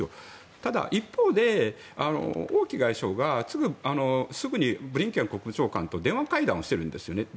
ただ一方で、王毅外相がすぐにブリンケン国務長官と電話会談をしているんですね。